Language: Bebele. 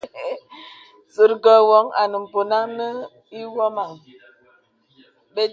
Sùrkə̀ woŋ à ponàn nə iwɔmaŋ.